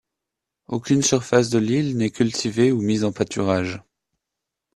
Aucune surface de l'île n'est cultivée ou mise en pâturage.